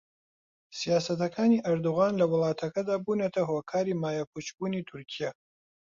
سیاسەتەکانی ئەردۆغان لە وڵاتەکەدا بوونەتە هۆکاری مایەپووچبوونی تورکیا